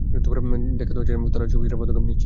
দেখে তো মনে হচ্ছে না তোরা চুপিসারে পদক্ষেপ নিচ্ছিস।